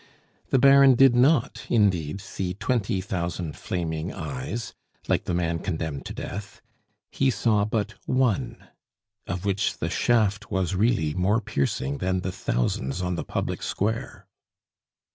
The Baron did not indeed see twenty thousand flaming eyes, like the man condemned to death; he saw but one, of which the shaft was really more piercing than the thousands on the Public Square.